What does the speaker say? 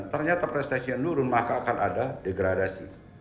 ternyata prestasi yang turun maka akan ada degradasi